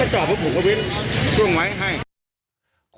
แล้วผู้กรณีผู้กรณีถูกเอาอีกอ๋อ